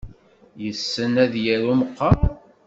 Yessen ad yaru meqqar?